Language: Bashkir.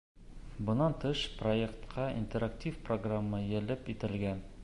Бынан тыш, проектҡа интерактив программа йәлеп ителгән.